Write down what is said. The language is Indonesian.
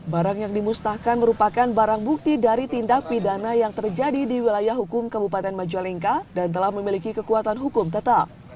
barang yang dimusnahkan merupakan barang bukti dari tindak pidana yang terjadi di wilayah hukum kabupaten majalengka dan telah memiliki kekuatan hukum tetap